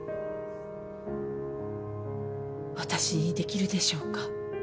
私にできるでしょうか？